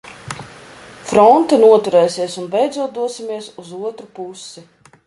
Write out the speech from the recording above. Fronte noturēsies un beidzot dosimies uz otru pusi.